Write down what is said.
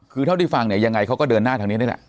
คือเท่าที่ฟังเนี่ยยังไงเขาก็เดินหน้าทางนี้นี่แหละ